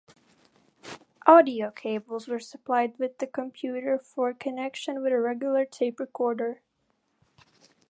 Audio cables were supplied with the computer for connection with a regular tape recorder.